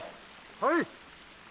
はい。